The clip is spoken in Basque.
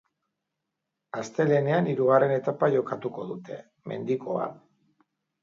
Astelehenean hirugarren etapa jokatuko dute, mendikoa.